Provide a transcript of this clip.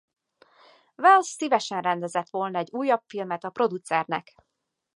Welles szívesen rendezett volna egy újabb filmet a producernek.